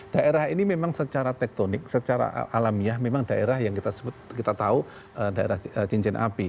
daerah ini memang secara tektonik secara alamiah memang daerah yang kita tahu daerah cincin api